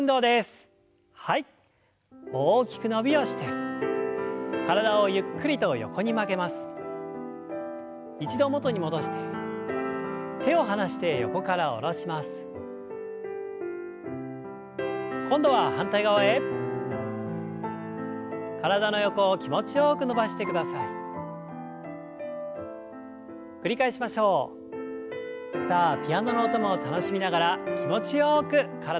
さあピアノの音も楽しみながら気持ちよく体をほぐしていきます。